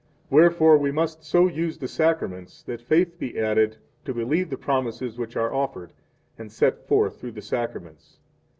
Wherefore we must so use the Sacraments that faith be added to believe the promises which are offered and set forth through the Sacraments.